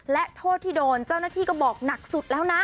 และโทษที่โดนเจ้าหน้าที่ก็บอกหนักสุดแล้วนะ